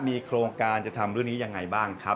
มีโครงการจะทำเรื่องนี้ยังไงบ้างครับ